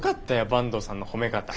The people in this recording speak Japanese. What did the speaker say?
坂東さんの褒め方。